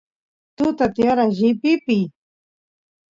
tuta tiyara llipipiy